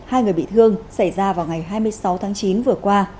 hai người bị thương xảy ra vào ngày hai mươi sáu tháng chín vừa qua